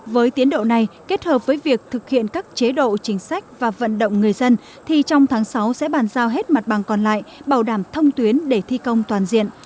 với tiến độ này kết hợp với việc thực hiện các chế độ chính sách và vận động người dân thì trong tháng sáu sẽ bàn giao hết mặt bằng còn lại bảo đảm thông tuyến để thi công toàn diện